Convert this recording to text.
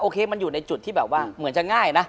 เคมันอยู่ในจุดที่แบบว่าเหมือนจะง่ายนะ